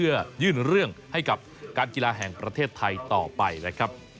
เพื่อยื่นเรื่องให้กับการกีฬาแห่งประเทศไทยต่อไปนะครับ